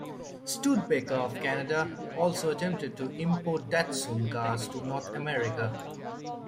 Studebaker of Canada also attempted to import Datsun cars to North America.